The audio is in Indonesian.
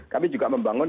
kami juga membangun